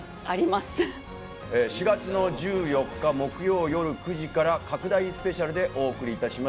４月の１４日木曜よる９時から拡大スペシャルでお送り致します。